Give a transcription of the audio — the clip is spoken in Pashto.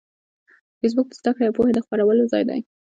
فېسبوک د زده کړې او پوهې د خپرولو ځای دی